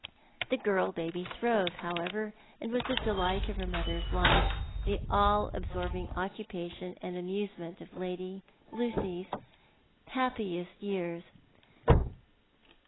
The girl baby throve, however, and was the delight of her mother's life, the all absorbing occupation and amusement of Lady Lucys happiest years.